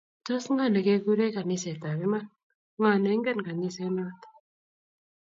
Tos ng'o nekikuree kaniset ab iman? Ng'o neinget kaniset not?